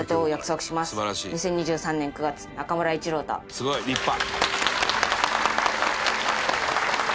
「すごい！立派！」